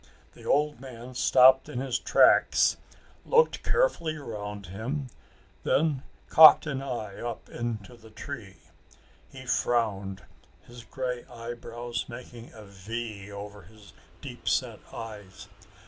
The old man stopped in his tracks, looked carefully around him, then cocked an eye up into the tree. He frowned, his grey eyebrows making a V over his deep set eyes.